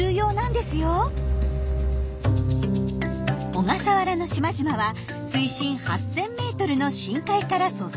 小笠原の島々は水深８，０００ｍの深海からそそり立っています。